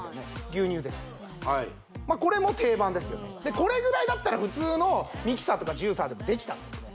牛乳ですまっこれも定番ですよねでこれぐらいだったら普通のミキサーとかジューサーでもできたんです